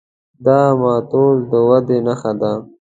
دا ماتول د ودې نښه ده.